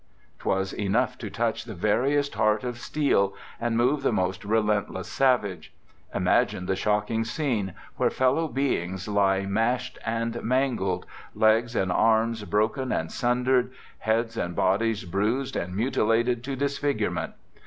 'Twas enough to touch the veriest heart of steel and move the most relentless savage. Imagine the shocking scene, where fellow beings lie mashed and mangled — legs and arms broken and sundered— heads and bodies bruised and mutilated to disfigurement!